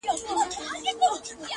ستا سومهچي ستا سومهچي ستا سومه